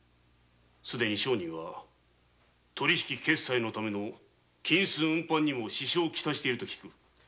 既に商人は取引決裁のための金子運搬にも支障をきたしている。